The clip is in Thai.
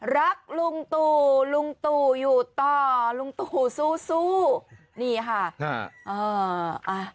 รักลุงตู่ลุงตู่อยู่ต่อลุงตู่สู้สู้นี่ค่ะ